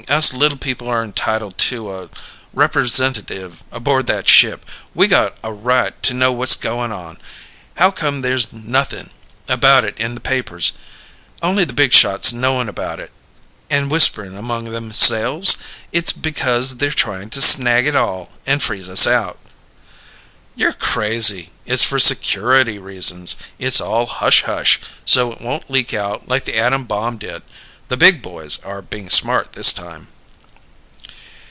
Us little people are entitled to a representative aboard that ship. We got a right to know what's going on. How come there's nothing about it in the papers? Only the big shots knowing about it and whispering among themselves? It's because they're trying to snag it all and freeze us out!" "You're crazy. It's for security reasons. It's all hush hush so it won't leak out like the atom bomb did. The big boys are being smart this time."